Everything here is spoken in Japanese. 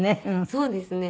そうですね。